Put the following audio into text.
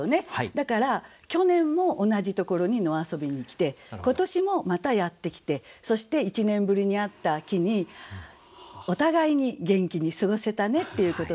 だから去年も同じところに野遊びに来て今年もまたやって来てそして１年ぶりに会った木にお互いに元気に過ごせたねっていうことでしょ。